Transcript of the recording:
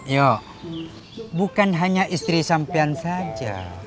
ya bukan hanya istri sampian saja